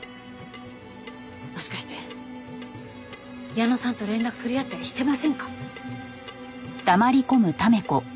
もしかして矢野さんと連絡取り合ったりしてませんか？